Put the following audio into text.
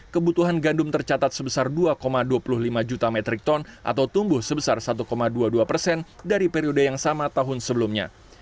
kebutuhan gandum tercatat sebesar dua dua puluh lima juta metrik ton atau tumbuh sebesar satu dua puluh dua persen dari periode yang sama tahun sebelumnya